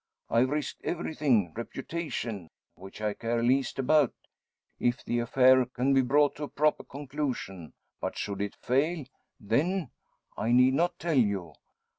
I've risked everything reputation, which I care least about, if the affair can be brought to a proper conclusion; but should it fail, then I need not tell you.